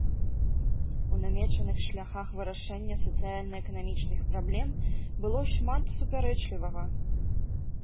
У намечаных шляхах вырашэння сацыяльна-эканамічных праблем было шмат супярэчлівага.